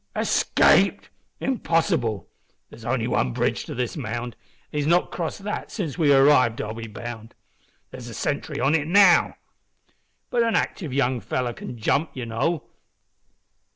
"Escaped! impossible, there is only one bridge to this mound, and he has not crossed that since we arrived, I'll be bound. There's a sentry on it now." "But an active young feller can jump, you know."